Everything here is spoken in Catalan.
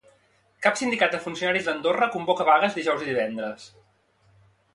Cap sindicat de funcionaris d'Andorra convoca vagues dijous i divendres.